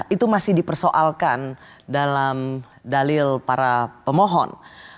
itu masih dipersoalkan dalam dalil para pemohon